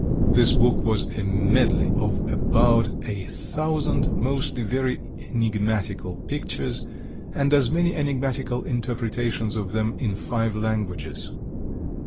This book was a medley of about a thousand mostly very enigmatical pictures, and as many enigmatical interpretations of them in five languages.